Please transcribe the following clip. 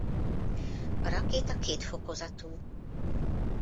A rakéta kétfokozatú.